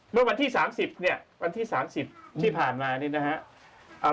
เมื่อวันที่๓๐เนี่ยวันที่๓๐ที่ผ่านมานี่นะครับ